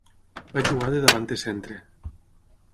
Va jugar de davanter centre.